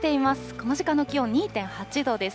この時間の気温、２．８度です。